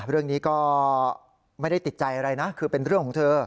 เรื่องนี้ก็ไม่ได้ติดใจอะไรนะคือเป็นเรื่องของเธอ